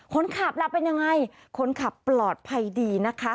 คนขับล่ะเป็นยังไงคนขับปลอดภัยดีนะคะ